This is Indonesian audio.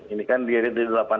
ini kan di rd delapan puluh